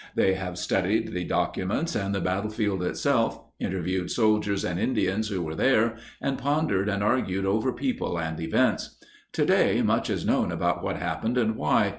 They have studied the documents and the battlefield itself, interviewed soldiers and Indians who were there, and pondered and argued over people and events. Today much is known about what happened and why.